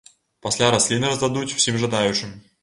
Пасля расліны раздадуць усім жадаючым.